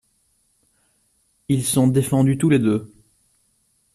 Ils sont défendus tous les deux.